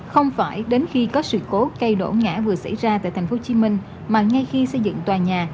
không phải đến khi có sự cố cây đổ ngã vừa xảy ra tại tp hcm mà ngay khi xây dựng tòa nhà